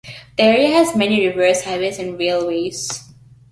The area has many rivers, highways and railways.